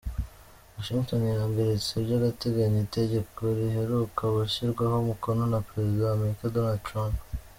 Washington yahagaritse by’agateganyo itegeko riheruka gushyirwaho umukono na perezida w’Amerika Donald Trump.